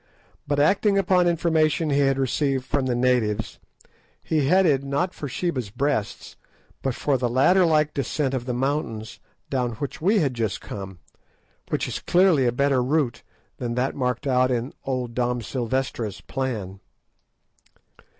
But, acting upon information he had received from the natives, he headed not for Sheba's Breasts, but for the ladder like descent of the mountains down which we had just come, which is clearly a better route than that marked out in old Dom Silvestra's plan.